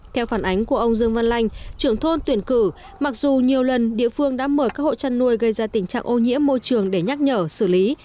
theo phản ánh của ông dương văn lanh trưởng thôn tuyển cử mặc dù nhiều lần địa phương đã mời các hộ chăn nuôi gây ra tình trạng ô nhiễm môi trường để nhắc nhở xử lý